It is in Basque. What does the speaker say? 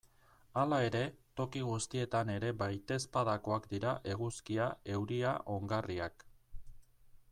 Hala ere, toki guztietan ere baitezpadakoak dira eguzkia, euria, ongarriak...